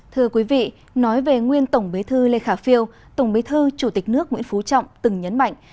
thưa quý vị nói về nguyên tổng bế thư lê khả phiêu tổng bế thư chủ tịch nước nguyễn phú trọng từng nhấn mạnh